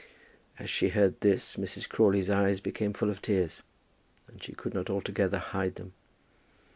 As she heard this Mrs. Crawley's eyes became full of tears, and she could not altogether hide them.